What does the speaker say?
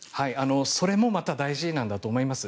それもまた大事なんだと思います。